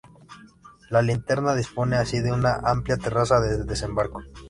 La linterna dispone así de una amplia terraza de desembarco.